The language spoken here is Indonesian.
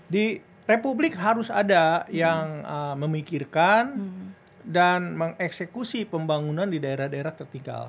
di republik harus ada yang memikirkan dan mengeksekusi pembangunan di daerah daerah tertinggal